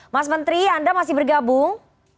mas menteri anda masih bergabung